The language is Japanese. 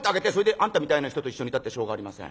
『あんたみたいな人と一緒にいたってしょうがありません』。